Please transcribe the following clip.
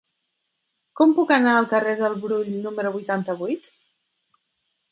Com puc anar al carrer del Brull número vuitanta-vuit?